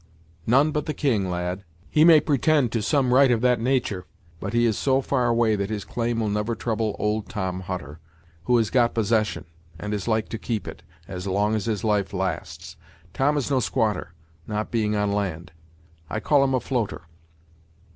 "None but the King, lad. He may pretend to some right of that natur', but he is so far away that his claim will never trouble old Tom Hutter, who has got possession, and is like to keep it as long as his life lasts. Tom is no squatter, not being on land; I call him a floater."